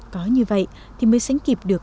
có như vậy thì mới sánh kịp được